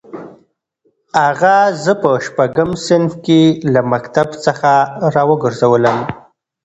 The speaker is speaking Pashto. اغا زه په شپږم صنف کې له مکتب څخه راوګرځولم.